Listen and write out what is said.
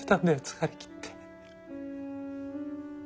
疲れ切って。